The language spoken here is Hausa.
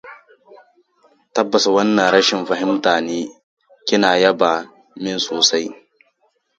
Tabbas wannan rashin fahimta ne. Kina yaba min sosai.